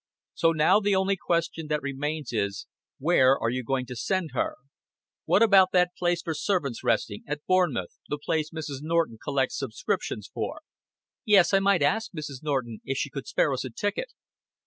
So now the only question that remains is where are you to send her? What about that place for servants resting at Bournemouth, the place Mrs. Norton collects subscriptions for?" "Yes, I might ask Mrs. Norton if she could spare us a ticket."